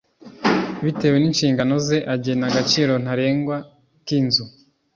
bitewe ninshingano ze agena agaciro ntarengwa k’ inzu.